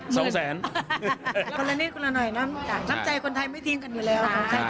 คนละนิดคนละหน่อยน้ำใจคนไทยไม่ทิ้งกันอยู่แล้ว